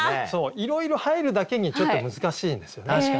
いろいろ入るだけにちょっと難しいんですよね。